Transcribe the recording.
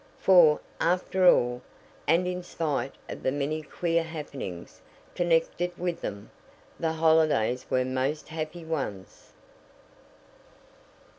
For, after all, and in spite of the many queer happenings connected with them, the holidays were most happy ones.